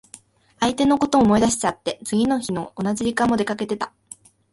相手のこと思い出しちゃって、次の日の同じ時間も出かけてた。